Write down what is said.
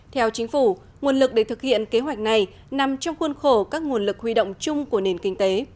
theo chính phủ nguồn lực để thực hiện kế hoạch này nằm trong khuôn khổ các nguồn lực huy động chung của nền kinh tế